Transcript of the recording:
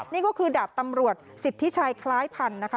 นี่ก็คือดาบตำรวจสิทธิชัยคล้ายพันธ์นะคะ